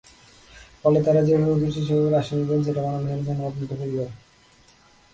ফলে তাঁরা যেভাবে খুশি সেভাবে রাসায়নিক দেন, যেটা মানবদেহের জন্য অত্যন্ত ক্ষতিকর।